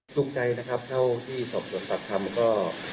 ทุกใจนะครับเท่าที่สอบสนศักดิ์ทำก็